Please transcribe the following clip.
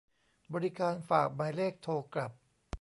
บริการฝากหมายเลขโทรกลับ